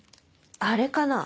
あれかな？